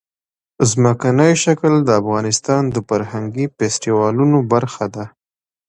ځمکنی شکل د افغانستان د فرهنګي فستیوالونو برخه ده.